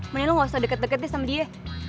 mending lo gausah deket dua deh sama dia